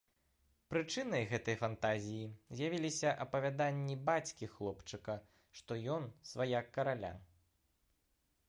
Прычынай гэтай фантазіі з'явіліся апавяданні бацькі хлопчыка, што ён сваяк караля.